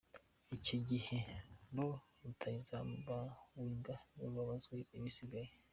Icyo gihe ba rutahizamu ba Wenger nibo babazwa ibisigaye.